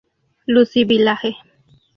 Lucie Village.